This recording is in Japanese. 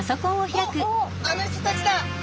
あの人たちだ！